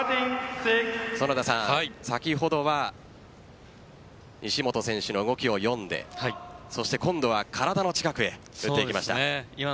先ほどは西本選手の動きを読んで今度は体の近くへ打っていきました。